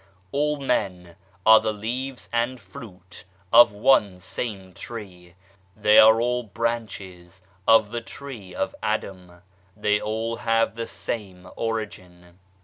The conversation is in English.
All men are the leaves and fruit of one same tree, they are all branches of the tree of Adam, they all have the same origin.